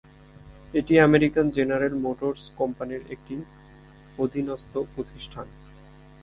এটি American General Motors কোম্পানির একটি অধীনস্থ প্রতিষ্ঠান।